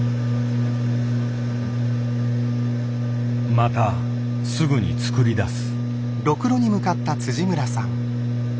またすぐに作り出す。